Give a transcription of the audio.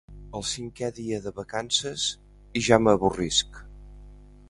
El cinquè dia de vacances i ja m'avorrisc.